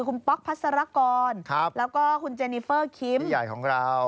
คุณป๊อกพัสรกรแล้วก็คุณเจนิเฟอร์คิมใหญ่ของเรา